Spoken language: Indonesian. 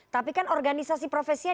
tapi kan organisasi profesinya